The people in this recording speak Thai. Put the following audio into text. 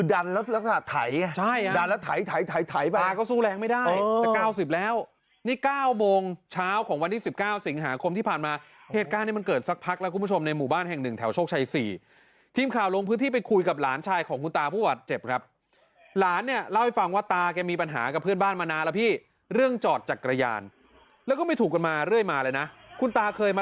ลักษณะไถใช่อ่ะดันแล้วไถมาก็สู้แรงไม่ได้จะ๙๐แล้วนี่๙โมงเช้าของวันที่๑๙สิงหาคมที่ผ่านมาเหตุการณ์นี้มันเกิดสักพักแล้วคุณผู้ชมในหมู่บ้านแห่งหนึ่งแถวโชคชัย๔ทีมข่าวลงพื้นที่ไปคุยกับหลานชายของคุณตาผู้บาดเจ็บครับหลานเนี่ยเล่าให้ฟังว่าตาแกมีปัญหากับเพื่อนบ้านมานานแล้วพี่เรื่องจอดจักรยานแล้วก็ไม่ถูกกันมาเรื่อยมาเลยนะคุณตาเคยมา